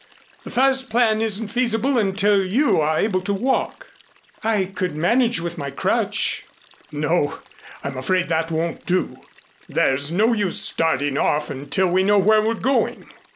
The first plan isn't feasible until you are able to walk " "I could manage with my crutch." "No, I'm afraid that won't do. There's no use starting off until we know where we're going."